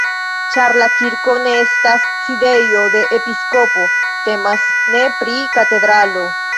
Ĉar la kirko ne estas sidejo de episkopo, temas ne pri katedralo.